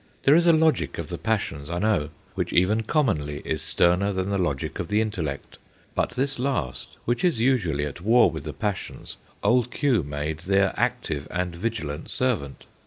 There is a logic of the passions, I know, which even commonly is sterner than the logic of the intellect ; but this last, which is usually at war with the passions, Old Q. made their active and vigilant servant.